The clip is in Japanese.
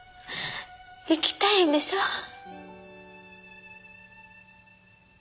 生きたいんでしょ？